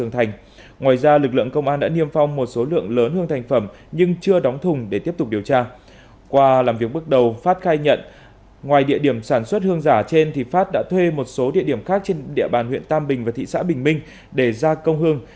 trong địa điểm sản xuất hương giả trên pháp đã thuê một số địa điểm khác trên địa bàn huyện tam bình và thị xã bình minh để ra công hương